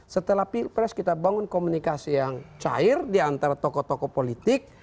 setelah pilpres kita bangun komunikasi yang cair di antara tokoh tokoh politik